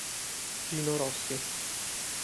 Gino Rossi